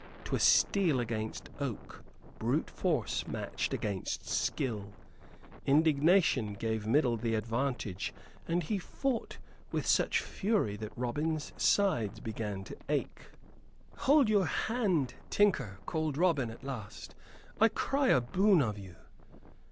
'Twas steel against oak; brute force matched against skill. Indignation gave Middle the advantage, and he fought with such fury that Robin's sides began to ache. "Hold your hand, tinker," called Robin, at last. "I cry a boon of you."